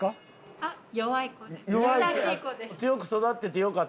あっ